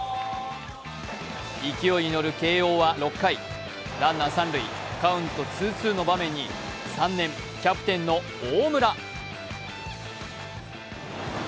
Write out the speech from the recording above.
勢いに乗る慶応は６回、ランナー三塁、カウント２−２の場面に３年・キャプテンの大村。